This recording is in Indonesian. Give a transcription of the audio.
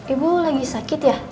ibu lagi sakit ya